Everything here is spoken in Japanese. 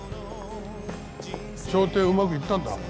調停うまくいったんだ。